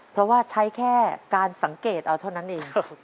เพราะว่าใช้แค่การสังเกตเอาเท่านั้นเอง